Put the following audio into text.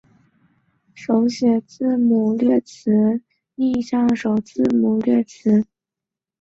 逆向首字母缩略词是英语中一种特殊形式的首字母缩略词。